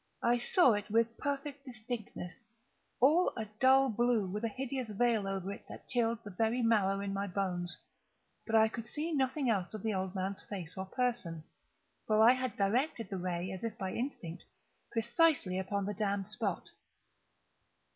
I saw it with perfect distinctness—all a dull blue, with a hideous veil over it that chilled the very marrow in my bones; but I could see nothing else of the old man's face or person: for I had directed the ray as if by instinct, precisely upon the damned spot.